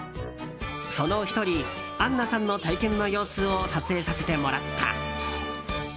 その１人、杏菜さんの体験の様子を撮影させてもらった。